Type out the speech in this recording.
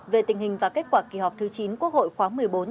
về tình hình và kết quả kỳ họp thứ chín quốc hội khóa một mươi bốn